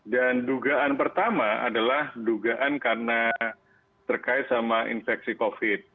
dan dugaan pertama adalah dugaan karena terkait sama infeksi covid